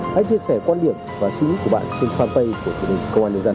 hãy chia sẻ quan điểm và suy nghĩ của bạn trên fanpage của chủ nhật công an nhân dân